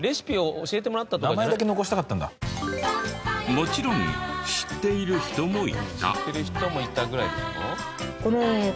もちろん知っている人もいた。